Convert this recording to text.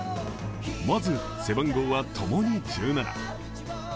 まず背番号は、ともに１７。